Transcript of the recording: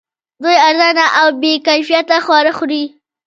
دوی ارزان او بې کیفیته خواړه خوري